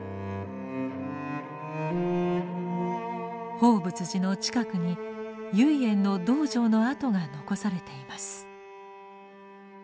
報佛寺の近くに唯円の道場の跡が残されています。